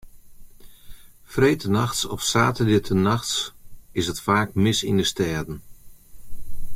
Freedtenachts of saterdeitenachts is it faak mis yn de stêden.